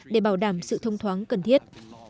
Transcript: để bảo đảm sự thông thoáng cần thiết